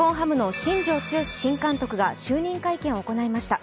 新監督が就任会見を行いました。